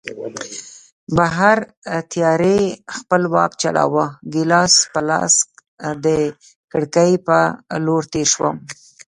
بهر تیارې خپل واک چلاوه، ګیلاس په لاس د کړکۍ په لور تېر شوم.